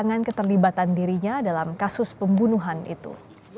dengan keterlibatan dirinya dalam kasus pembunuhan itu